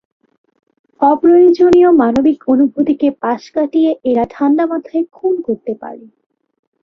অপ্রয়োজনীয় মানবিক অনুভূতিকে পাশ কাটিয়ে এরা ঠান্ডা মাথায় খুন করতে পারে।